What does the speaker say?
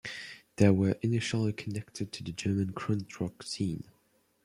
They were initially connected to the German krautrock scene.